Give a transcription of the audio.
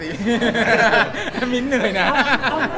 เหมือนแฟนที่กาล